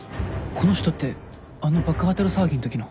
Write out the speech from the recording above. この人ってあの爆破テロ騒ぎのときの？